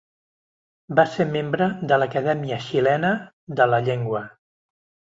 Va ser membre de l'Acadèmia Xilena de la Llengua.